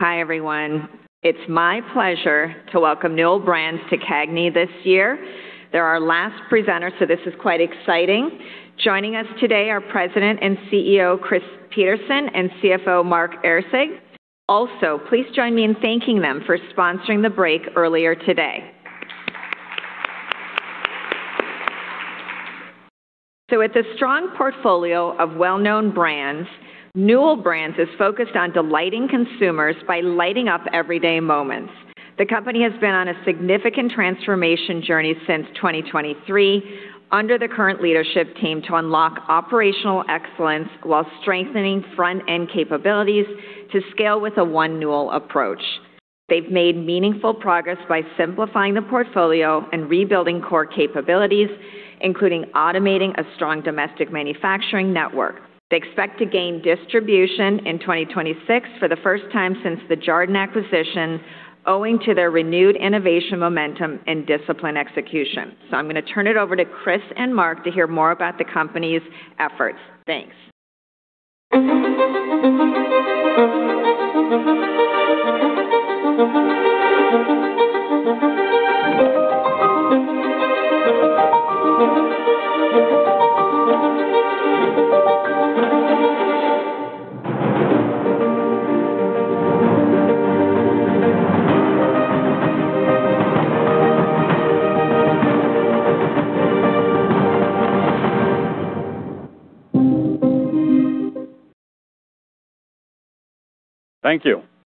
Hi, everyone. It's my pleasure to welcome Newell Brands to CAGNY this year. They're our last presenter, so this is quite exciting. Joining us today are President and CEO, Chris Peterson, and CFO, Mark Erceg. Also, please join me in thanking them for sponsoring the break earlier today. With a strong portfolio of well-known brands, Newell Brands is focused on delighting consumers by lighting up everyday moments. The company has been on a significant transformation journey since 2023 under the current leadership team, to unlock operational excellence while strengthening front-end capabilities to scale with a One Newell approach. They've made meaningful progress by simplifying the portfolio and rebuilding core capabilities, including automating a strong domestic manufacturing network. They expect to gain distribution in 2026 for the first time since the Jarden acquisition, owing to their renewed innovation, momentum, and discipline execution. I'm going to turn it over to Chris and Mark to hear more about the company's efforts. Thanks. Thank you,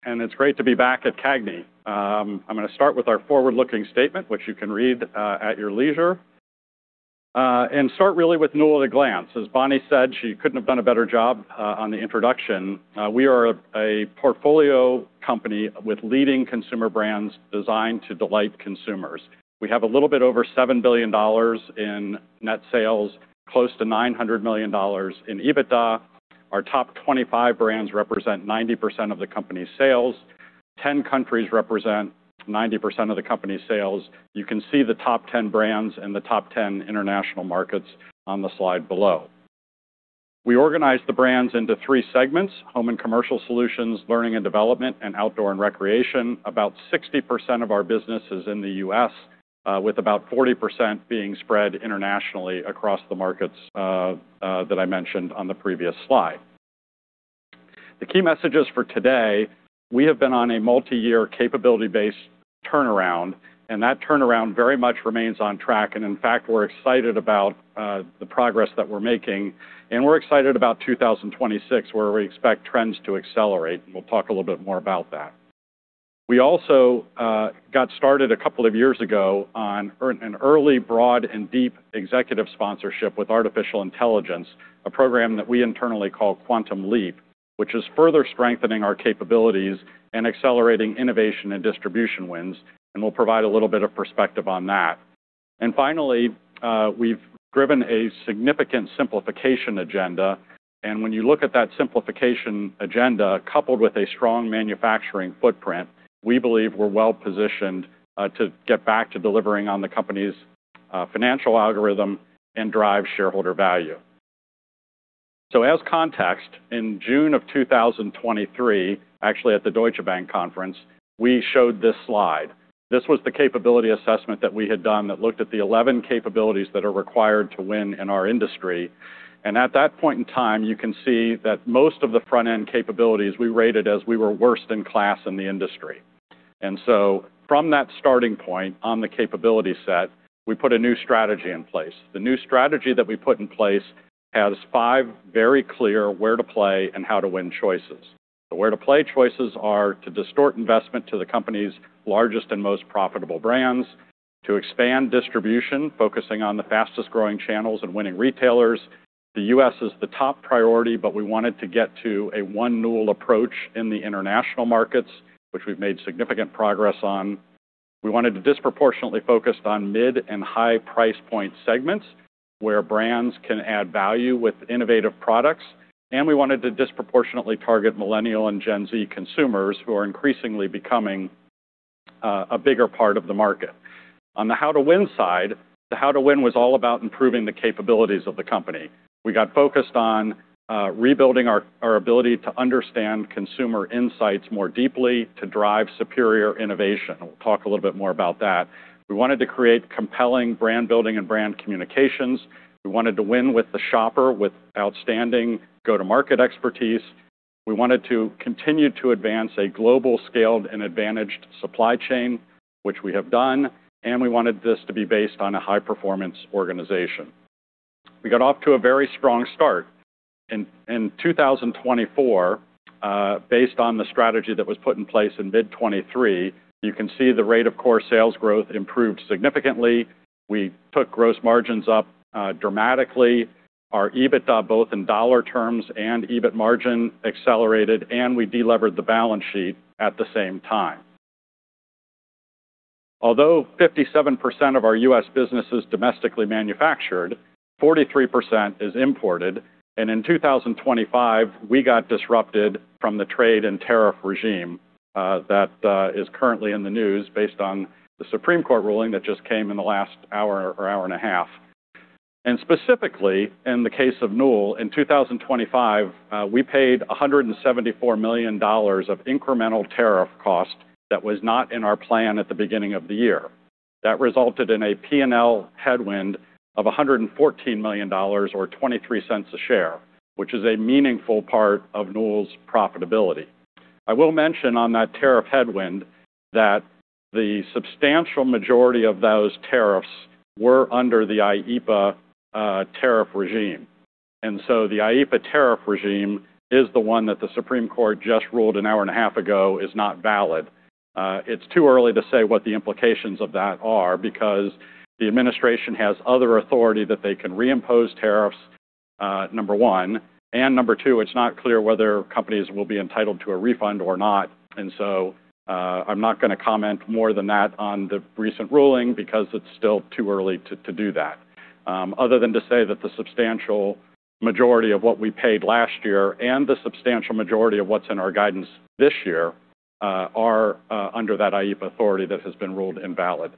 and it's great to be back at CAGNY. I'm going to start with our forward-looking statement, which you can read at your leisure, and start really with Newell at a glance. As Bonnie said, she couldn't have done a better job on the introduction. We are a portfolio company with leading consumer brands designed to delight consumers. We have a little bit over $7 billion in net sales, close to $900 million in EBITDA. Our top 25 brands represent 90% of the company's sales. 10 countries represent 90% of the company's sales. You can see the top 10 brands and the top 10 international markets on the slide below. We organize the brands into 3 segments: home and commercial solutions, learning and development, and outdoor and recreation. About 60% of our business is in the U.S., with about 40% being spread internationally across the markets that I mentioned on the previous slide. The key messages for today, we have been on a multi-year, capability-based turnaround, and that turnaround very much remains on track. In fact, we're excited about the progress that we're making, and we're excited about 2026, where we expect trends to accelerate. We'll talk a little bit more about that. We also got started a couple of years ago on an early, broad, and deep executive sponsorship with artificial intelligence, a program that we internally call Quantum Leap, which is further strengthening our capabilities and accelerating innovation and distribution wins. We'll provide a little bit of perspective on that. Finally, we've driven a significant simplification agenda, and when you look at that simplification agenda, coupled with a strong manufacturing footprint, we believe we're well-positioned to get back to delivering on the company's financial algorithm and drive shareholder value. So as context, in June 2023, actually, at the Deutsche Bank conference, we showed this slide. This was the capability assessment that we had done that looked at the 11 capabilities that are required to win in our industry. And at that point in time, you can see that most of the front-end capabilities we rated as we were worst in class in the industry. And so from that starting point on the capability set, we put a new strategy in place. The new strategy that we put in place has five very clear where to play and how to win choices. The where to play choices are to direct investment to the company's largest and most profitable brands, to expand distribution, focusing on the fastest-growing channels and winning retailers. The U.S. is the top priority, but we wanted to get to a One Newell approach in the international markets, which we've made significant progress on. We wanted to disproportionately focus on mid and high price point segments, where brands can add value with innovative products. And we wanted to disproportionately target Millennial and Gen Z consumers, who are increasingly becoming a bigger part of the market. On the how to win side, the how to win was all about improving the capabilities of the company. We got focused on rebuilding our, our ability to understand consumer insights more deeply, to drive superior innovation, and we'll talk a little bit more about that. We wanted to create compelling brand building and brand communications. We wanted to win with the shopper with outstanding go-to-market expertise. We wanted to continue to advance a global scaled and advantaged supply chain, which we have done, and we wanted this to be based on a high-performance organization. We got off to a very strong start. In 2024, based on the strategy that was put in place in mid-2023, you can see the rate of core sales growth improved significantly. We took gross margins up dramatically. Our EBITDA, both in dollar terms and EBIT margin, accelerated, and we delevered the balance sheet at the same time. Although 57% of our U.S. business is domestically manufactured, 43% is imported, and in 2025, we got disrupted from the trade and tariff regime that is currently in the news based on the Supreme Court ruling that just came in the last hour or hour and a half. Specifically, in the case of Newell, in 2025, we paid $174 million of incremental tariff cost that was not in our plan at the beginning of the year. That resulted in a P&L headwind of $114 million or $0.23 per share, which is a meaningful part of Newell's profitability. I will mention on that tariff headwind that the substantial majority of those tariffs were under the IEEPA tariff regime. So the IEEPA tariff regime is the one that the Supreme Court just ruled an hour and a half ago is not valid. It's too early to say what the implications of that are, because the administration has other authority that they can reimpose tariffs, number one. Number two, it's not clear whether companies will be entitled to a refund or not. So, I'm not gonna comment more than that on the recent ruling because it's still too early to do that. Other than to say that the substantial majority of what we paid last year and the substantial majority of what's in our guidance this year are under that IEEPA authority that has been ruled invalid.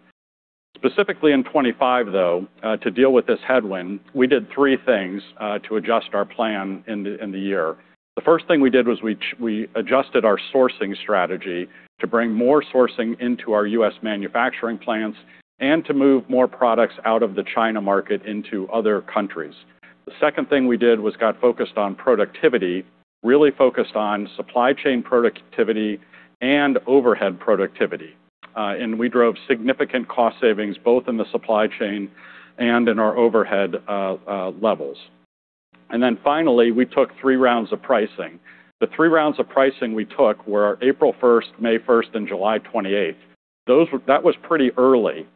Specifically in 2025, though, to deal with this headwind, we did three things to adjust our plan in the year. The first thing we did was we adjusted our sourcing strategy to bring more sourcing into our U.S. manufacturing plants and to move more products out of the China market into other countries. The second thing we did was got focused on productivity, really focused on supply chain productivity and overhead productivity. And we drove significant cost savings, both in the supply chain and in our overhead levels. And then finally, we took three rounds of pricing. The three rounds of pricing we took were April 1, May 1, and July 28. Those were. That was pretty early.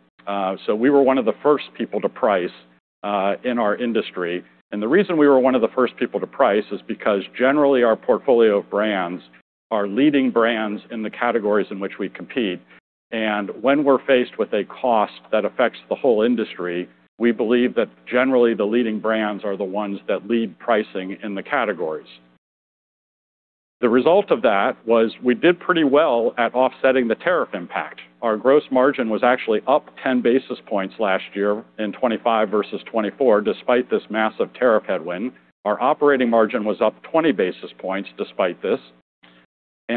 So we were one of the first people to price in our industry. The reason we were one of the first people to price is because, generally, our portfolio of brands are leading brands in the categories in which we compete, and when we're faced with a cost that affects the whole industry, we believe that generally the leading brands are the ones that lead pricing in the categories. The result of that was we did pretty well at offsetting the tariff impact. Our gross margin was actually up 10 basis points last year in 2025 versus 2024, despite this massive tariff headwind. Our operating margin was up 20 basis points despite this.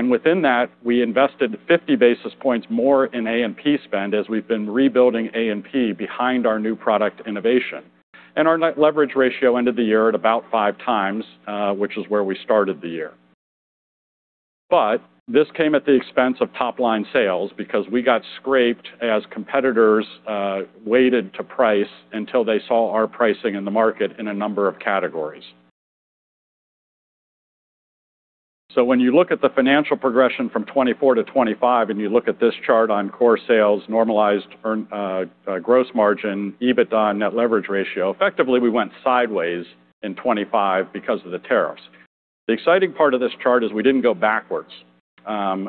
Within that, we invested 50 basis points more in A&P spend as we've been rebuilding A&P behind our new product innovation. Our net leverage ratio ended the year at about 5x, which is where we started the year. But this came at the expense of top-line sales because we got scraped as competitors waited to price until they saw our pricing in the market in a number of categories. So when you look at the financial progression from 2024 to 2025, and you look at this chart on core sales, normalized earn, gross margin, EBITDA, and net leverage ratio, effectively, we went sideways in 2025 because of the tariffs. The exciting part of this chart is we didn't go backwards.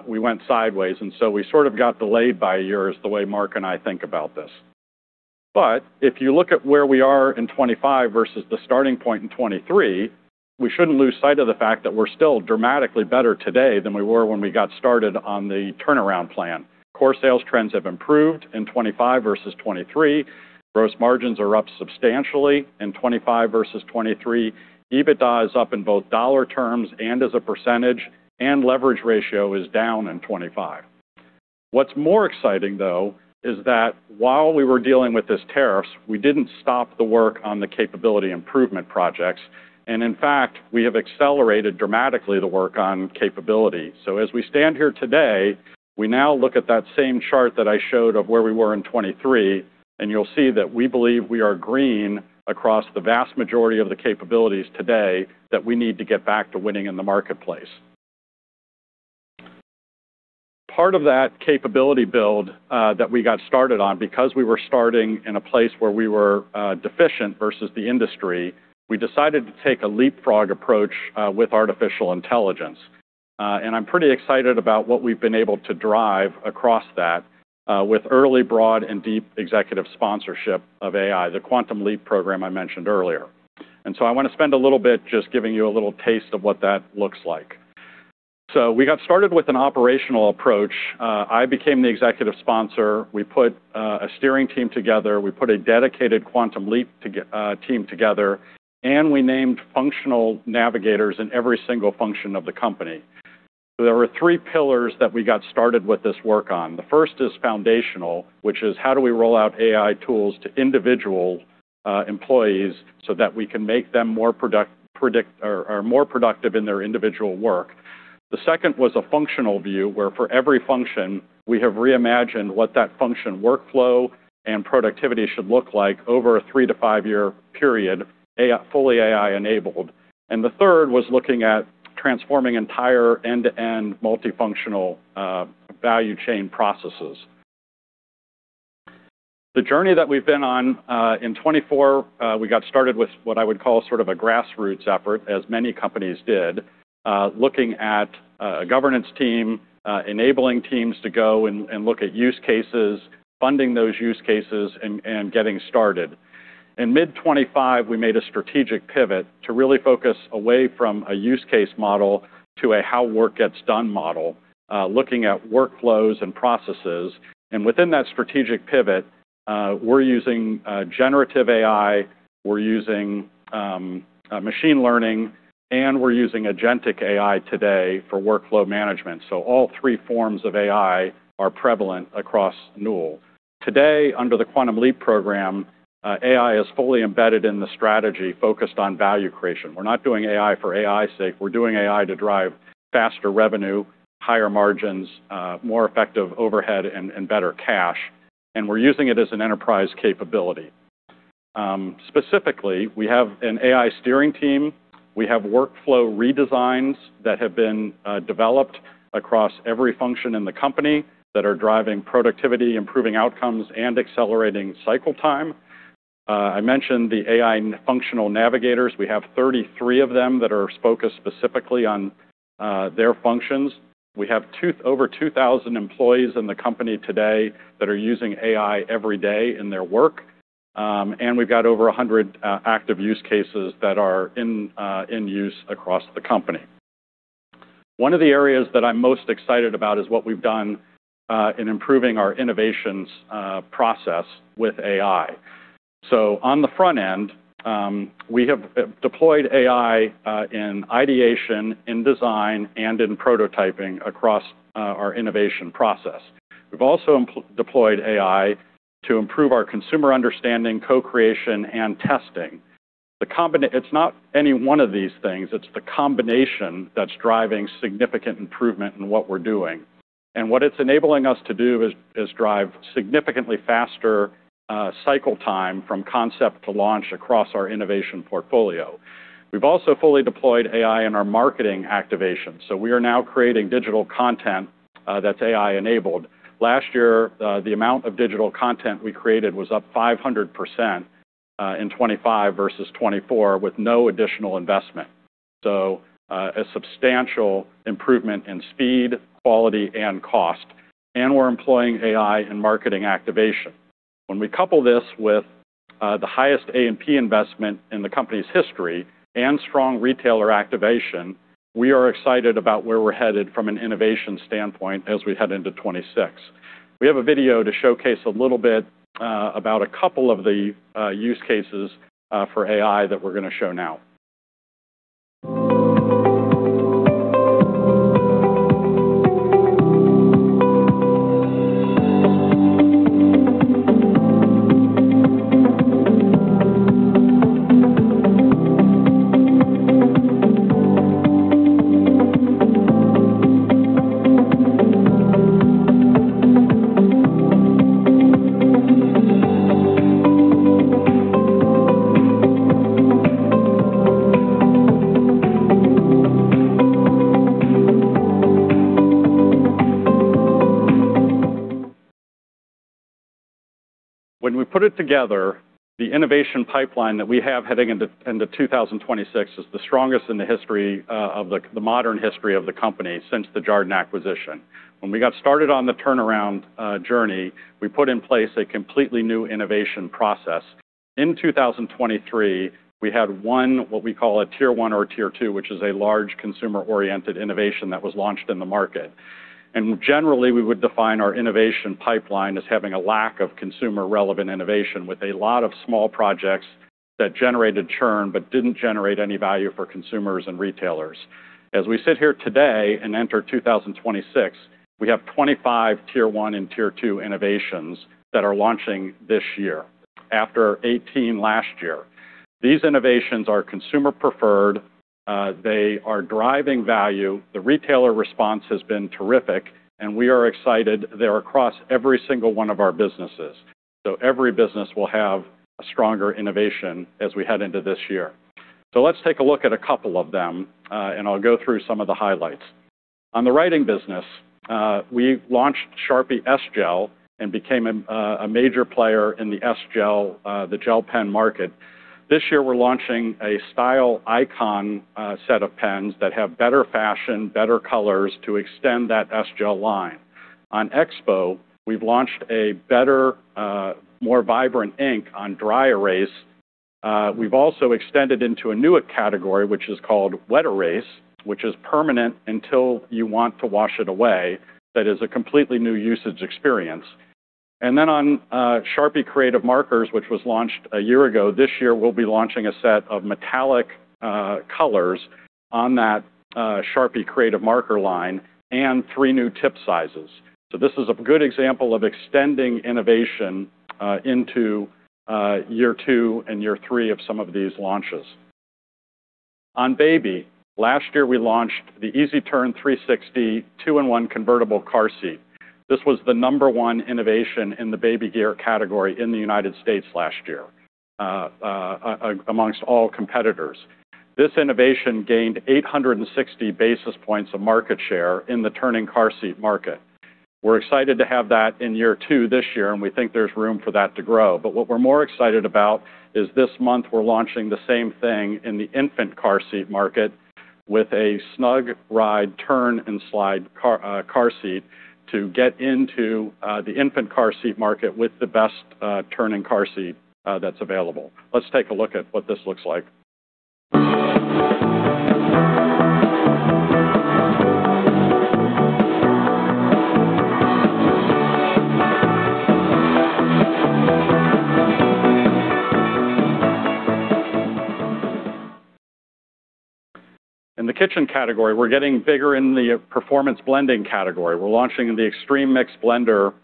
We went sideways, and so we sort of got delayed by years the way Mark and I think about this. But if you look at where we are in 2025 versus the starting point in 2023, we shouldn't lose sight of the fact that we're still dramatically better today than we were when we got started on the turnaround plan. Core sales trends have improved in 2025 versus 2023. Gross margins are up substantially in 2025 versus 2023. EBITDA is up in both dollar terms and as a percentage, and leverage ratio is down in 2025. What's more exciting, though, is that while we were dealing with these tariffs, we didn't stop the work on the capability improvement projects, and in fact, we have accelerated dramatically the work on capability. So as we stand here today, we now look at that same chart that I showed of where we were in 2023, and you'll see that we believe we are green across the vast majority of the capabilities today that we need to get back to winning in the marketplace. Part of that capability build that we got started on, because we were starting in a place where we were deficient versus the industry, we decided to take a leapfrog approach with artificial intelligence. And I'm pretty excited about what we've been able to drive across that with early, broad, and deep executive sponsorship of AI, the Quantum Leap program I mentioned earlier. And so I wanna spend a little bit just giving you a little taste of what that looks like. So we got started with an operational approach. I became the executive sponsor. We put a steering team together, we put a dedicated Quantum Leap team together, and we named functional navigators in every single function of the company. There were three pillars that we got started with this work on. The first is foundational, which is how do we roll out AI tools to individual employees so that we can make them more productive in their individual work? The second was a functional view, where for every function, we have reimagined what that function workflow and productivity should look like over a three- to five-year period, AI, fully AI-enabled. The third was looking at transforming entire end-to-end multifunctional value chain processes. The journey that we've been on in 2024, we got started with what I would call sort of a grassroots effort, as many companies did, looking at a governance team, enabling teams to go and look at use cases, funding those use cases, and getting started. In mid-2025, we made a strategic pivot to really focus away from a use case model to a how work gets done model, looking at workflows and processes. Within that strategic pivot, we're using generative AI, we're using machine learning, and we're using agentic AI today for workflow management. So all three forms of AI are prevalent across Newell. Today, under the Quantum Leap program, AI is fully embedded in the strategy focused on value creation. We're not doing AI for AI's sake. We're doing AI to drive faster revenue, higher margins, more effective overhead, and, and better cash, and we're using it as an enterprise capability. Specifically, we have an AI steering team. We have workflow redesigns that have been developed across every function in the company that are driving productivity, improving outcomes, and accelerating cycle time. I mentioned the AI functional navigators. We have 33 of them that are focused specifically on their functions. We have over 2,000 employees in the company today that are using AI every day in their work. And we've got over 100 active use cases that are in use across the company. One of the areas that I'm most excited about is what we've done in improving our innovations process with AI. So on the front end, we have deployed AI in ideation, in design, and in prototyping across our innovation process. We've also deployed AI to improve our consumer understanding, co-creation, and testing. It's not any one of these things, it's the combination that's driving significant improvement in what we're doing. What it's enabling us to do is drive significantly faster cycle time from concept to launch across our innovation portfolio. We've also fully deployed AI in our marketing activation, so we are now creating digital content that's AI-enabled. Last year, the amount of digital content we created was up 500% in 2025 versus 2024, with no additional investment. So, a substantial improvement in speed, quality, and cost, and we're employing AI in marketing activation. When we couple this with the highest A&P investment in the company's history and strong retailer activation, we are excited about where we're headed from an innovation standpoint as we head into 2026. We have a video to showcase a little bit about a couple of the use cases for AI that we're gonna show now. When we put it together, the innovation pipeline that we have heading into 2026 is the strongest in the history of the modern history of the company since the Jarden acquisition. When we got started on the turnaround journey, we put in place a completely new innovation process. In 2023, we had one, what we call a Tier One or Tier Two, which is a large, consumer-oriented innovation that was launched in the market. Generally, we would define our innovation pipeline as having a lack of consumer-relevant innovation, with a lot of small projects that generated churn but didn't generate any value for consumers and retailers. As we sit here today and enter 2026, we have 25 Tier One and Tier Two innovations that are launching this year, after 18 last year. These innovations are consumer-preferred, they are driving value, the retailer response has been terrific, and we are excited. They're across every single one of our businesses. So every business will have a stronger innovation as we head into this year. So let's take a look at a couple of them, and I'll go through some of the highlights. On the writing business, we launched Sharpie S-Gel and became a, a major player in the S-Gel, the gel pen market. This year, we're launching a style icon, set of pens that have better fashion, better colors to extend that S-Gel line. On Expo, we've launched a better, more vibrant ink on dry erase. We've also extended into a newer category, which is called wet erase, which is permanent until you want to wash it away. That is a completely new usage experience. Then on Sharpie Creative Markers, which was launched a year ago, this year, we'll be launching a set of metallic colors on that Sharpie Creative Marker line and three new tip sizes. This is a good example of extending innovation into year two and year three of some of these launches. On baby, last year, we launched the Easy Turn 360 two-in-one convertible car seat. This was the number one innovation in the baby gear category in the United States last year, amongst all competitors. This innovation gained 860 basis points of market share in the turning car seat market. We're excited to have that in year two this year, and we think there's room for that to grow. But what we're more excited about is this month, we're launching the same thing in the infant car seat market with a SnugRide Turn & Slide car seat to get into the infant car seat market with the best turning car seat that's available. Let's take a look at what this looks like. In the kitchen category, we're getting bigger in the performance blending category. We're launching the Extreme Mix blender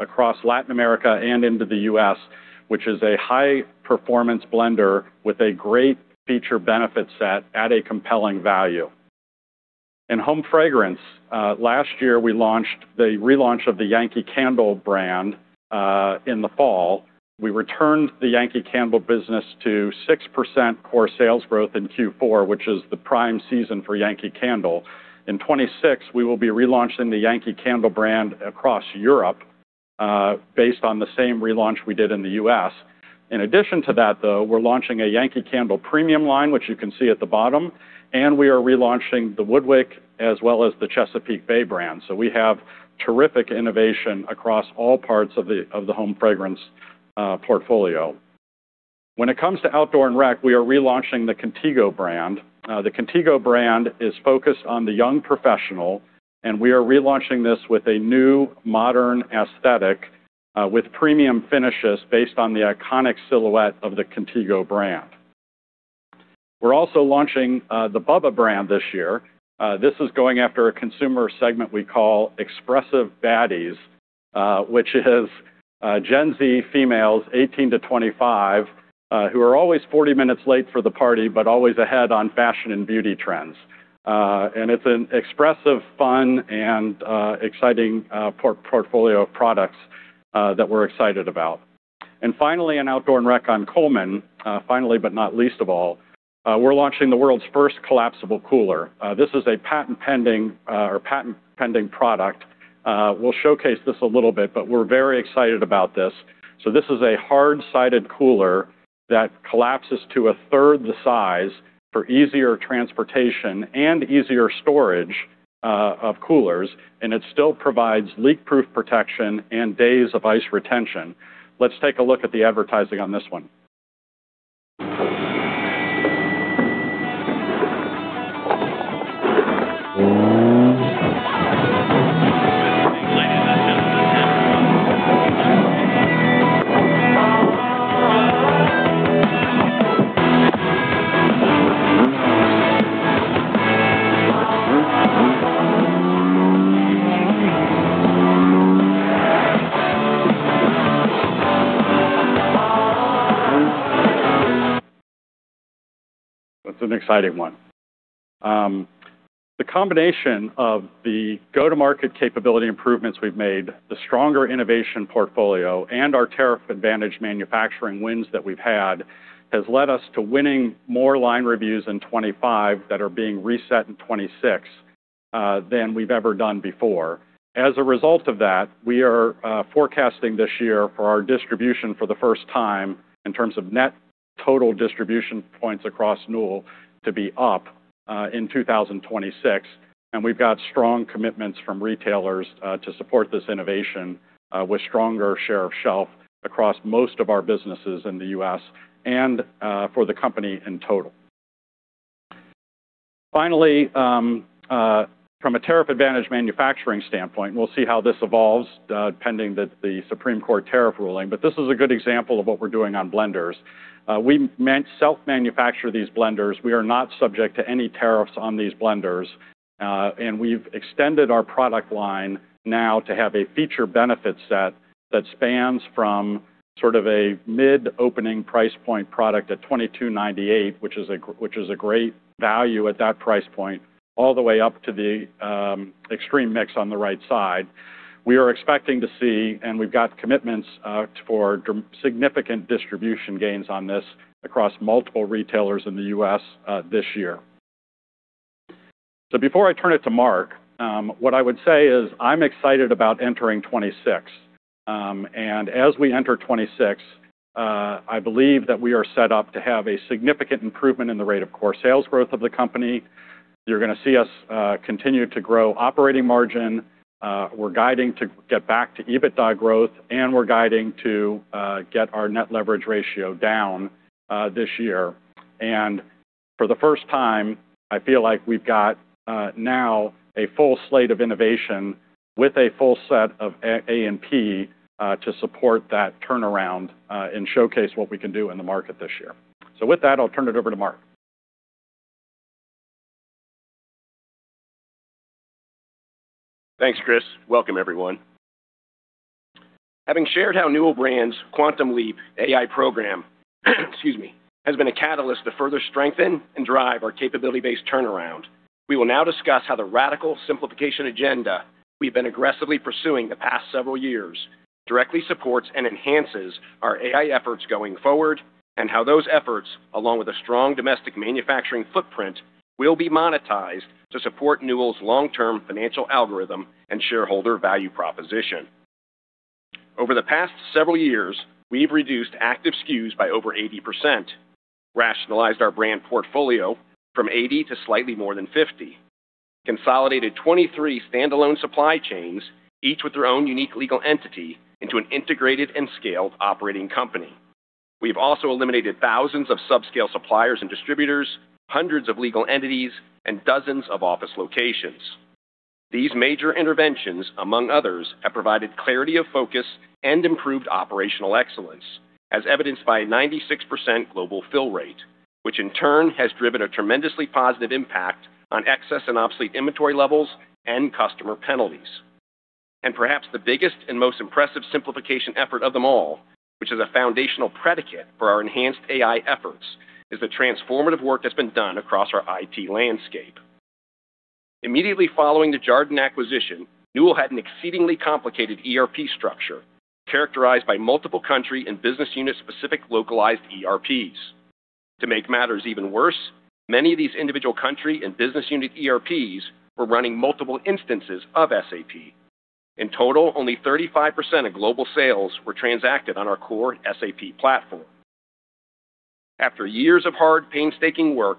across Latin America and into the U.S., which is a high-performance blender with a great feature benefit set at a compelling value. In home fragrance, last year, we launched the relaunch of the Yankee Candle brand in the fall. We returned the Yankee Candle business to 6% core sales growth in Q4, which is the prime season for Yankee Candle. In 2026, we will be relaunching the Yankee Candle brand across Europe, based on the same relaunch we did in the U.S. In addition to that, though, we're launching a Yankee Candle premium line, which you can see at the bottom, and we are relaunching the WoodWick as well as the Chesapeake Bay brand. So we have terrific innovation across all parts of the home fragrance portfolio. When it comes to outdoor and rec, we are relaunching the Contigo brand. The Contigo brand is focused on the young professional, and we are relaunching this with a new, modern aesthetic, with premium finishes based on the iconic silhouette of the Contigo brand. We're also launching the Bubba brand this year. This is going after a consumer segment we call expressive baddies, which is Gen Z females, 18-25, who are always 40 minutes late for the party, but always ahead on fashion and beauty trends. And it's an expressive, fun, and exciting portfolio of products that we're excited about. And finally, in outdoor and rec on Coleman, finally, but not least of all, we're launching the world's first collapsible cooler. This is a patent-pending product. We'll showcase this a little bit, but we're very excited about this. So this is a hard-sided cooler that collapses to a third the size for easier transportation and easier storage of coolers, and it still provides leak-proof protection and days of ice retention. Let's take a look at the advertising on this one. That's an exciting one. The combination of the go-to-market capability improvements we've made, the stronger innovation portfolio, and our tariff-advantaged manufacturing wins that we've had, has led us to winning more line reviews in 2025 that are being reset in 2026, than we've ever done before. As a result of that, we are forecasting this year for our distribution for the first time in terms of net total distribution points across Newell to be up, in 2026, and we've got strong commitments from retailers, to support this innovation, with stronger share of shelf across most of our businesses in the U.S. and, for the company in total. Finally, from a tariff-advantaged manufacturing standpoint, we'll see how this evolves, pending the Supreme Court tariff ruling. But this is a good example of what we're doing on blenders. We self-manufacture these blenders. We are not subject to any tariffs on these blenders, and we've extended our product line now to have a feature benefit set that spans from sort of a mid-opening price point product at $22.98, which is a great value at that price point, all the way up to the Extreme Mix on the right side. We are expecting to see, and we've got commitments, for significant distribution gains on this across multiple retailers in the U.S., this year. So before I turn it to Mark, what I would say is, I'm excited about entering 2026. And as we enter 2026, I believe that we are set up to have a significant improvement in the rate of core sales growth of the company. You're gonna see us continue to grow operating margin. We're guiding to get back to EBITDA growth, and we're guiding to get our net leverage ratio down this year. For the first time, I feel like we've got now a full slate of innovation with a full set of A&P to support that turnaround and showcase what we can do in the market this year. So with that, I'll turn it over to Mark. Thanks, Chris. Welcome, everyone. Having shared how Newell Brands' Quantum Leap AI program, excuse me, has been a catalyst to further strengthen and drive our capability-based turnaround, we will now discuss how the radical simplification agenda we've been aggressively pursuing the past several years directly supports and enhances our AI efforts going forward, and how those efforts, along with a strong domestic manufacturing footprint, will be monetized to support Newell's long-term financial algorithm and shareholder value proposition. Over the past several years, we've reduced active SKUs by over 80%, rationalized our brand portfolio from 80 to slightly more than 50, consolidated 23 standalone supply chains, each with their own unique legal entity, into an integrated and scaled operating company. We've also eliminated thousands of subscale suppliers and distributors, hundreds of legal entities, and dozens of office locations. These major interventions, among others, have provided clarity of focus and improved operational excellence, as evidenced by a 96% global fill rate, which in turn has driven a tremendously positive impact on excess and obsolete inventory levels and customer penalties. Perhaps the biggest and most impressive simplification effort of them all, which is a foundational predicate for our enhanced AI efforts, is the transformative work that's been done across our IT landscape. Immediately following the Jarden acquisition, Newell had an exceedingly complicated ERP structure, characterized by multiple country and business unit-specific localized ERPs. To make matters even worse, many of these individual country and business unit ERPs were running multiple instances of SAP. In total, only 35% of global sales were transacted on our core SAP platform. After years of hard, painstaking work,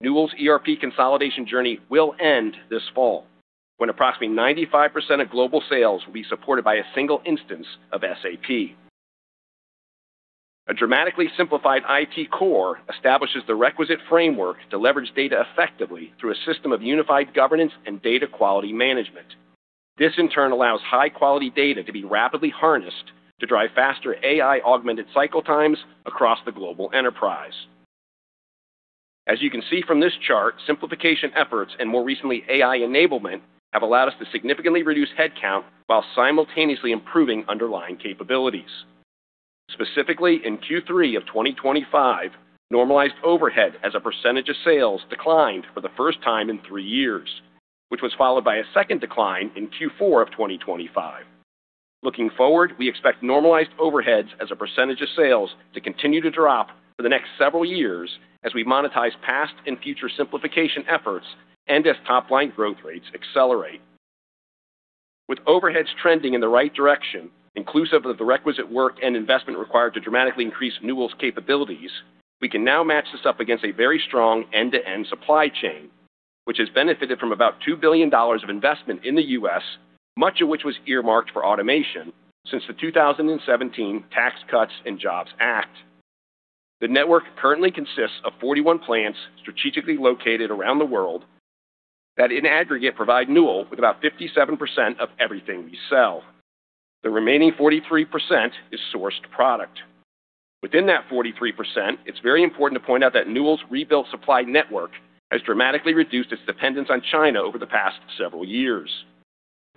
Newell's ERP consolidation journey will end this fall, when approximately 95% of global sales will be supported by a single instance of SAP. A dramatically simplified IT core establishes the requisite framework to leverage data effectively through a system of unified governance and data quality management. This, in turn, allows high-quality data to be rapidly harnessed to drive faster AI-augmented cycle times across the global enterprise. As you can see from this chart, simplification efforts and more recently, AI enablement, have allowed us to significantly reduce headcount while simultaneously improving underlying capabilities. Specifically, in Q3 of 2025, normalized overhead as a percentage of sales declined for the first time in three years, which was followed by a second decline in Q4 of 2025. Looking forward, we expect normalized overheads as a percentage of sales to continue to drop for the next several years as we monetize past and future simplification efforts and as top-line growth rates accelerate. With overheads trending in the right direction, inclusive of the requisite work and investment required to dramatically increase Newell's capabilities, we can now match this up against a very strong end-to-end supply chain, which has benefited from about $2 billion of investment in the US, much of which was earmarked for automation since the 2017 Tax Cuts and Jobs Act. The network currently consists of 41 plants strategically located around the world that, in aggregate, provide Newell with about 57% of everything we sell. The remaining 43% is sourced product. Within that 43%, it's very important to point out that Newell's rebuilt supply network has dramatically reduced its dependence on China over the past several years.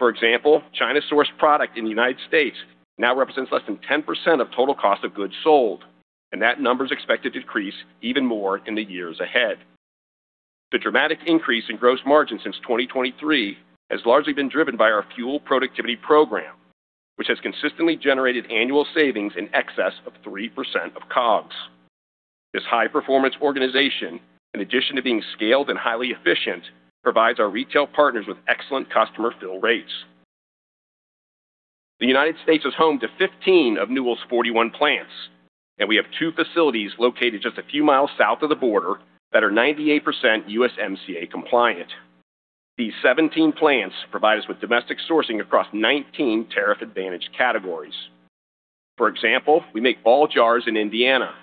For example, China-sourced product in the United States now represents less than 10% of total cost of goods sold, and that number is expected to decrease even more in the years ahead. The dramatic increase in gross margin since 2023 has largely been driven by our fuel productivity program, which has consistently generated annual savings in excess of 3% of COGS. This high-performance organization, in addition to being scaled and highly efficient, provides our retail partners with excellent customer fill rates. The United States is home to 15 of Newell's 41 plants, and we have two facilities located just a few miles south of the border that are 98% USMCA compliant. These 17 plants provide us with domestic sourcing across 19 tariff advantage categories. For example, we make Ball jars in Indiana,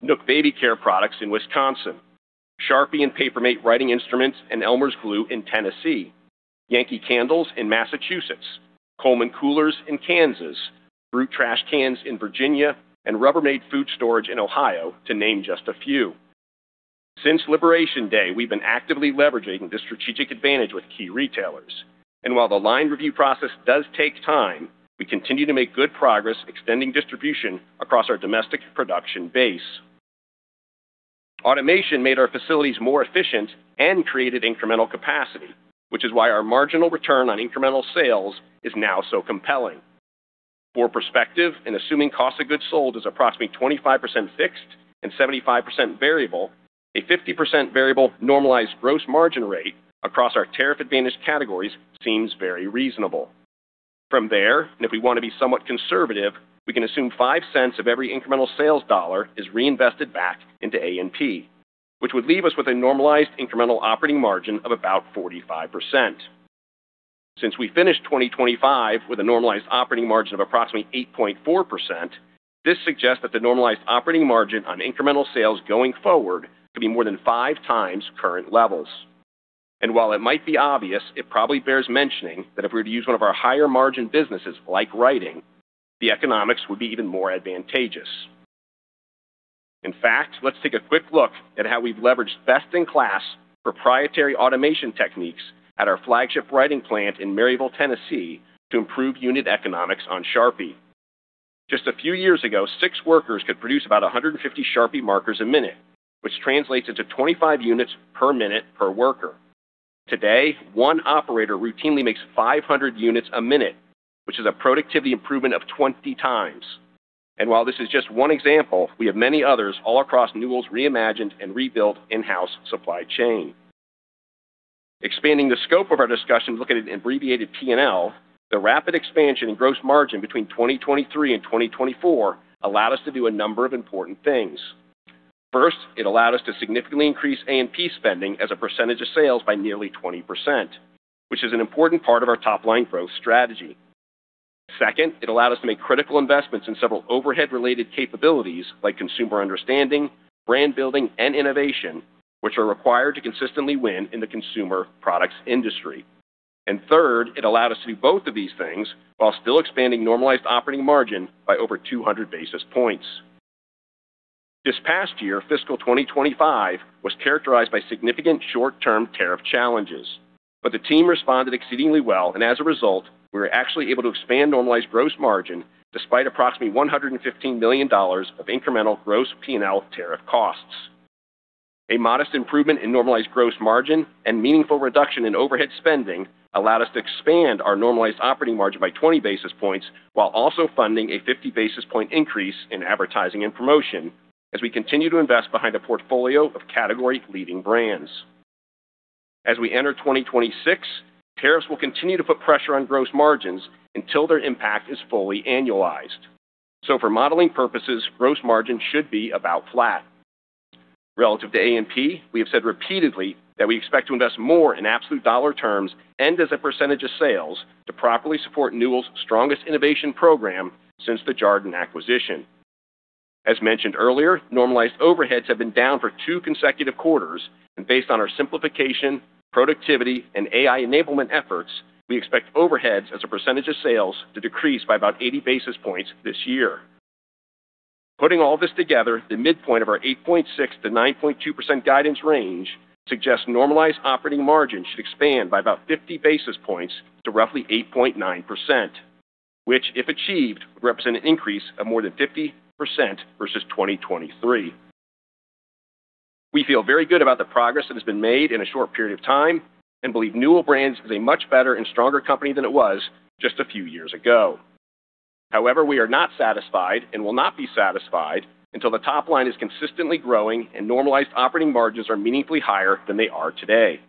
NUK baby care products in Wisconsin, Sharpie and Paper Mate writing instruments, and Elmer's glue in Tennessee, Yankee Candles in Massachusetts, Coleman coolers in Kansas, Brute trash cans in Virginia, and Rubbermaid food storage in Ohio, to name just a few. Since Liberation Day, we've been actively leveraging this strategic advantage with key retailers, and while the line review process does take time, we continue to make good progress extending distribution across our domestic production base. Automation made our facilities more efficient and created incremental capacity, which is why our marginal return on incremental sales is now so compelling. For perspective, and assuming cost of goods sold is approximately 25% fixed and 75% variable, a 50% variable normalized gross margin rate across our tariff advantage categories seems very reasonable. From there, and if we want to be somewhat conservative, we can assume $0.05 of every incremental sales dollar is reinvested back into A&P, which would leave us with a normalized incremental operating margin of about 45%. Since we finished 2025 with a normalized operating margin of approximately 8.4%, this suggests that the normalized operating margin on incremental sales going forward could be more than 5x current levels. And while it might be obvious, it probably bears mentioning that if we were to use one of our higher margin businesses, like Writing, the economics would be even more advantageous. In fact, let's take a quick look at how we've leveraged best-in-class proprietary automation techniques at our flagship writing plant in Maryville, Tennessee, to improve unit economics on Sharpie. Just a few years ago, six workers could produce about 150 Sharpie markers a minute, which translates into 25 units per minute per worker. Today, one operator routinely makes 500 units a minute, which is a productivity improvement of 20x. And while this is just one example, we have many others all across Newell's reimagined and rebuilt in-house supply chain. Expanding the scope of our discussion, look at an abbreviated P&L. The rapid expansion in gross margin between 2023 and 2024 allowed us to do a number of important things. First, it allowed us to significantly increase A&P spending as a percentage of sales by nearly 20%, which is an important part of our top-line growth strategy. Second, it allowed us to make critical investments in several overhead-related capabilities, like consumer understanding, brand building, and innovation, which are required to consistently win in the consumer products industry. And third, it allowed us to do both of these things while still expanding normalized operating margin by over 200 basis points. This past year, fiscal 2025, was characterized by significant short-term tariff challenges, but the team responded exceedingly well, and as a result, we were actually able to expand normalized gross margin despite approximately $115 million of incremental gross P&L tariff costs. A modest improvement in normalized gross margin and meaningful reduction in overhead spending allowed us to expand our normalized operating margin by 20 basis points, while also funding a 50 basis point increase in advertising and promotion as we continue to invest behind a portfolio of category-leading brands. As we enter 2026, tariffs will continue to put pressure on gross margins until their impact is fully annualized. For modeling purposes, gross margin should be about flat. Relative to A&P, we have said repeatedly that we expect to invest more in absolute dollar terms and as a percentage of sales, to properly support Newell's strongest innovation program since the Jarden acquisition. As mentioned earlier, normalized overheads have been down for 2 consecutive quarters, and based on our simplification, productivity, and AI enablement efforts, we expect overheads as a percentage of sales to decrease by about 80 basis points this year. Putting all this together, the midpoint of our 8.6%-9.2% guidance range suggests normalized operating margin should expand by about 50 basis points to roughly 8.9%, which, if achieved, would represent an increase of more than 50% versus 2023. We feel very good about the progress that has been made in a short period of time and believe Newell Brands is a much better and stronger company than it was just a few years ago. However, we are not satisfied and will not be satisfied until the top line is consistently growing and normalized operating margins are meaningfully higher than they are today.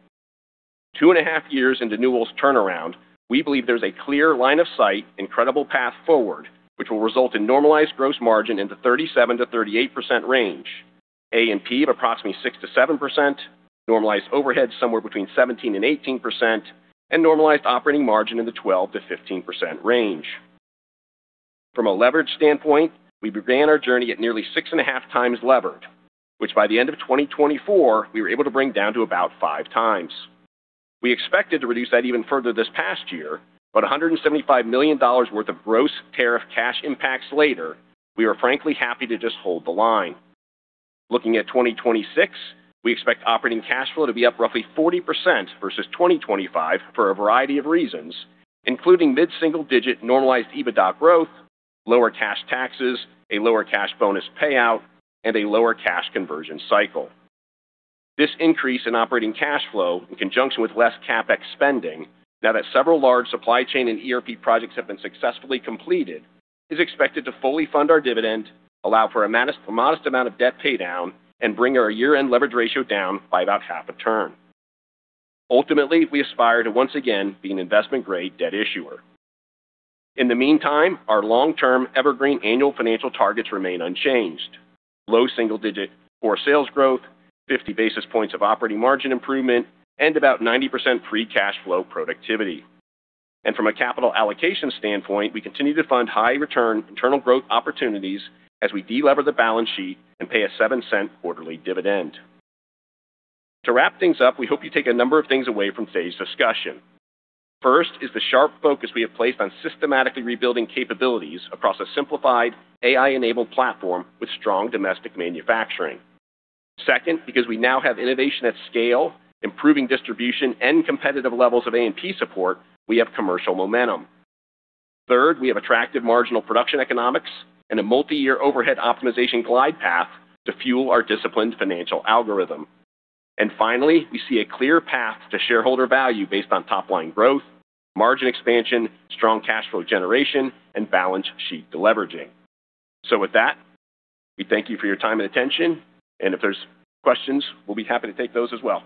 2.5 years into Newell's turnaround, we believe there's a clear line of sight and credible path forward, which will result in normalized gross margin in the 37%-38% range, A&P of approximately 6%-7%, normalized overhead somewhere between 17%-18%, and normalized operating margin in the 12%-15% range. From a leverage standpoint, we began our journey at nearly 6.5x levered, which by the end of 2024, we were able to bring down to about 5x. We expected to reduce that even further this past year, but $175 million worth of gross tariff cash impacts later, we are frankly happy to just hold the line. Looking at 2026, we expect operating cash flow to be up roughly 40% versus 2025 for a variety of reasons, including mid-single digit normalized EBITDA growth, lower cash taxes, a lower cash bonus payout, and a lower cash conversion cycle. This increase in operating cash flow, in conjunction with less CapEx spending, now that several large supply chain and ERP projects have been successfully completed, is expected to fully fund our dividend, allow for a modest, modest amount of debt paydown, and bring our year-end leverage ratio down by about half a turn. Ultimately, we aspire to once again be an investment-grade debt issuer. In the meantime, our long-term evergreen annual financial targets remain unchanged: low single-digit core sales growth, 50 basis points of operating margin improvement, and about 90% free cash flow productivity. From a capital allocation standpoint, we continue to fund high return internal growth opportunities as we de-lever the balance sheet and pay a $0.07 quarterly dividend. To wrap things up, we hope you take a number of things away from today's discussion. First is the sharp focus we have placed on systematically rebuilding capabilities across a simplified, AI-enabled platform with strong domestic manufacturing. Second, because we now have innovation at scale, improving distribution and competitive levels of A&P support, we have commercial momentum. Third, we have attractive marginal production economics and a multi-year overhead optimization glide path to fuel our disciplined financial algorithm. Finally, we see a clear path to shareholder value based on top-line growth, margin expansion, strong cash flow generation, and balance sheet deleveraging. With that, we thank you for your time and attention, and if there's questions, we'll be happy to take those as well.